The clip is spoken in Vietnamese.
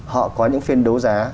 họ có những phiên đấu giá